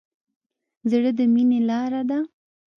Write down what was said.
زړه د مینې لاره ده.